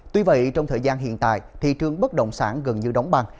tuy vậy trong thời gian hiện tại thị trường bất động sản gần như đóng băng